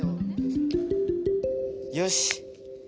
よし。